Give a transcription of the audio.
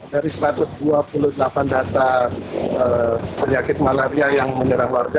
dari satu ratus dua puluh delapan data penyakit malaria yang menyerah warga